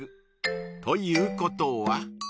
［ということは］